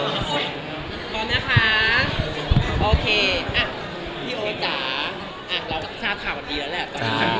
พี่โอ๊ตจ๊ะตอนนี้ก็ต้องไปดูเธอมีอะไรอยากจะพูด